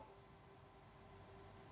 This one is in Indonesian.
ini tidak ada kaitan dengan pffp